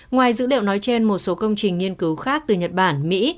ngoài dữ liệu nói trên một số công trình nghiên cứu khác từ nhật bản mỹ